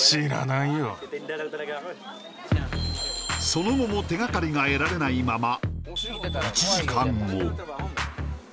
その後も手がかりが得られないままＨｅｌｌｏ！